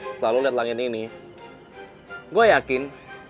setelah lo liat langit ini gue yakin